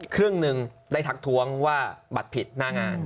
ครึ่งหนึ่งได้ทักท้วงว่าบัตรผิดหน้างาน